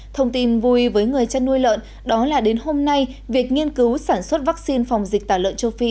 thông tin vui với người chăn nuôi lợn đó là đến hôm nay việc nghiên cứu sản xuất vaccine phòng dịch tả lợn châu phi